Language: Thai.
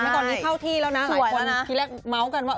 ตอนนี้เข้าที่แล้วนะหลายคนทีแรกเมาส์กันว่า